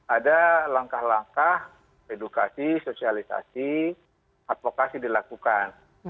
ada langkah langkah edukasi sosialisasi advokasi dilakukan